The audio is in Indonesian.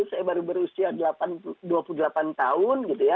saya baru berusia dua puluh delapan tahun